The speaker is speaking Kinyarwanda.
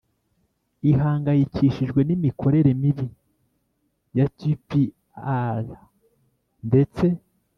ihangayikishijwe n'imikorere mibi ya tpir ndetse